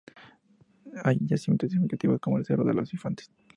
Hay yacimientos significativos como el cerro de los Infantes.